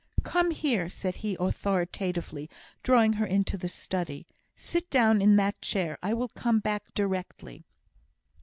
"Come here!" said he, authoritatively, drawing her into the study. "Sit down in that chair. I will come back directly."